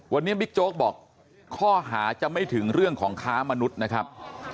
วันนี้บิ๊กโจ๊กบอกข้อหาจะไม่ถึงเรื่องของค้ามนุษย์นะครับ